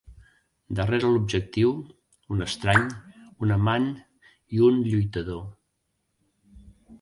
Darrera l'objectiu, un estrany, un amant i un lluitador...